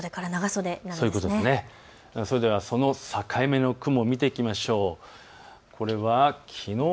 それではその境目の雲を見ていきましょう。